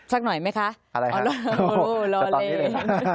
ชักหน่อยไหมคะโอ้โหรอเล่นอะไรคะจะตอนนี้เลยครับ